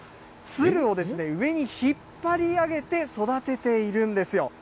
つるを上に引っ張り上げて育てているんですよ。